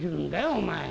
お前。